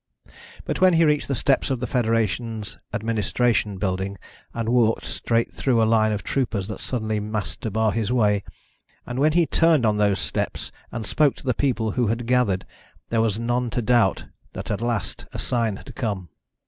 But when he reached the steps of the federation's administration building and walked straight through a line of troopers that suddenly massed to bar his way, and when he turned on those steps and spoke to the people who had gathered, there was none to doubt that at last a sign had come.